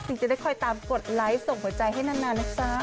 จะได้คอยตามกดไลค์ส่งหัวใจให้นานนะจ๊ะ